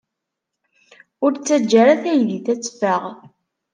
Ur ttaǧǧa ara taydit ad teffeɣ.